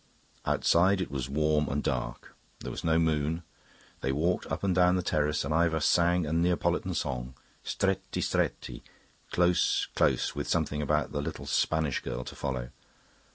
Outside it was warm and dark; there was no moon. They walked up and down the terrace, and Ivor sang a Neapolitan song: "Stretti, stretti" close, close with something about the little Spanish girl to follow.